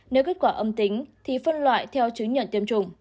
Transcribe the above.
nếu kết quả âm tính thì phân loại theo chứng nhận tiêm chủng